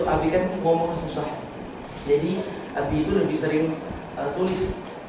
abie kan ngomong susah jadi abie itu lebih sering tulis